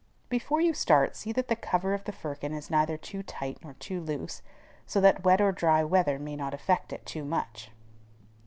Before you start, see that the cover of the firkin is neither too tight nor too loose, so that wet or dry weather may not affect it too much.